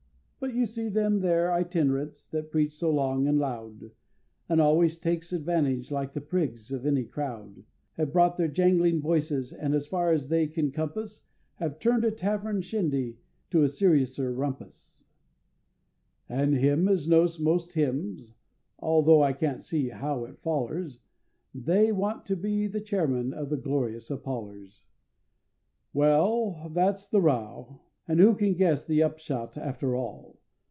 But you see them there Itinerants that preach so long and loud, And always takes advantage like the prigs of any crowd, Have brought their jangling voices, and as far as they can compass, Have turn'd a tavern shindy to a seriouser rumpus, And him as knows most hymns altho' I can't see how it follers They want to be the Chairman of the Glorious Apollers! Well, that's the row and who can guess the upshot after all?